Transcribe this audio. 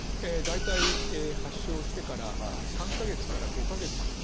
大体発症してから３か月から５か月ですね。